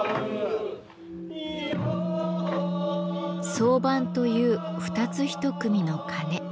双盤という２つ１組の鉦。